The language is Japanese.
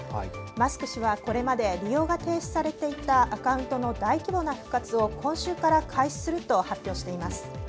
マスク氏はこれまで利用が停止されていたアカウントの大規模な復活を今週から開始すると発表しています。